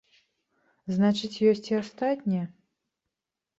Значыць, ёсць і астатнія.